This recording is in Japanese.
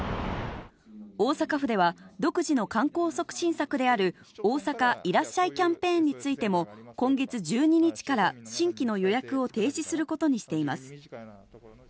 大阪府では、独自の観光促進策である、大阪いらっしゃいキャンペーンについても、今月１２日から新規の予約を停止することにしています。